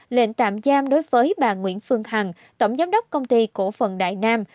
lệnh tạm giam đối với bà nguyễn phương hằng tổng giám đốc công ty cổ phần đại nam